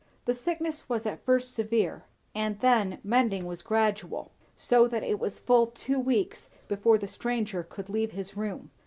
The sickness was at first severe; and then the mending was gradual; so that it was full two weeks before the stranger could leave his room.